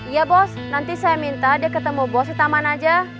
iya bos nanti saya minta dia ketemu bos di taman aja